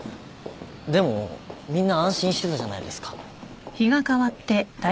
でもみんな安心してたじゃないですか。